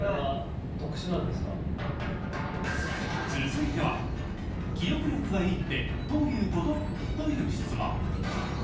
続いては、記憶力がいいってどういうこと？という質問。